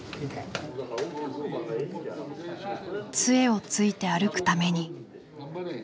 杖をついて歩くために。